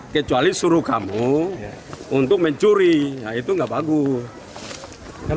kecuali suruh kamu untuk mencuri itu nggak bagus